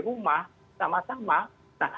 rumah sama sama nah